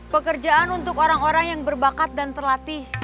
pekerjaan untuk orang orang yang berbakat dan terlatih